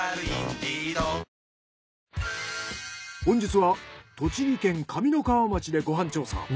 本日は栃木県上三川町でご飯調査。